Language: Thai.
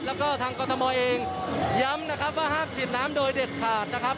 แล้วก็ทางกรทมเองย้ำนะครับว่าห้ามฉีดน้ำโดยเด็ดขาดนะครับ